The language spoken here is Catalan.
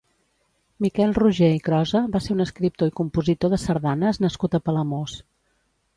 Miquel Roger i Crosa va ser un escriptor i compositor de sardanes nascut a Palamós.